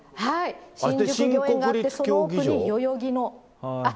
新宿御苑があって、その奥に代々木も。